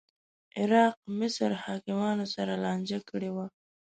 عراق مصر حاکمانو سره لانجه کې و